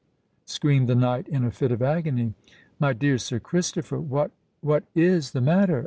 screamed the knight, in a fit of agony. "My dear Sir Christopher, what—what is the matter?"